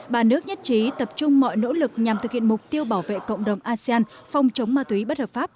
ba nước nhất trí tập trung mọi nỗ lực nhằm thực hiện mục tiêu bảo vệ cộng đồng asean phòng chống ma túy bất hợp pháp